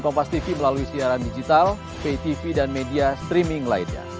kompas tv melalui siaran digital pay tv dan media streaming lainnya